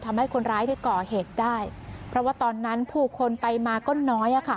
ทำให้คนร้ายได้ก่อเหตุได้เพราะว่าตอนนั้นผู้คนไปมาก็น้อยอะค่ะ